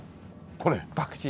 これ？